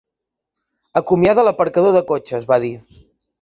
"Acomiada l'aparcador de cotxes", va dir.